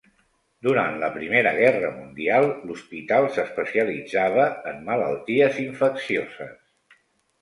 Durant la Primera Guerra Mundial, l'hospital s'especialitzava en malalties infeccioses.